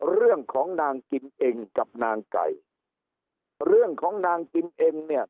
เรื่องของนางกิมเองกับนางไก่เรื่องของนางกิมเองเนี่ย